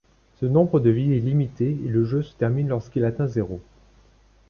Ce nombre de vies est limité et le jeu se termine lorsqu’il atteint zéro.